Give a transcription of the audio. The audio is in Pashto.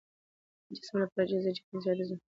د جسم له پلوه د ښځې د کمزورۍ دود ذهنيت ښځې ته ويره ورکړې